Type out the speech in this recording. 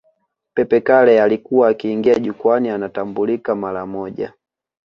Pepe Kalle alikuwa akiingia jukwani anatambulika mara moja